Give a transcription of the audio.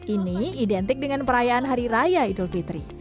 ini identik dengan perayaan hari raya idul fitri